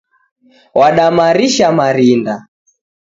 Wada marisha marinda